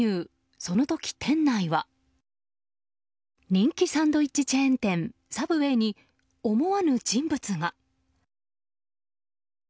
人気サンドイッチチェーン店サブウェイに思わぬ人物が。